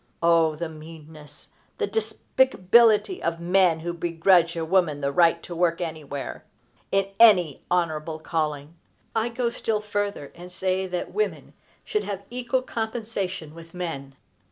O the meanness, the despicability of men who begrudge a woman the right to work anywhere, in any honorable calling! I go still further, and say that women should have equal compensation with men.